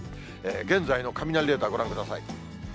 現在の雷レーダー、ご覧ください。